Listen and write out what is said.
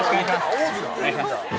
お願いします。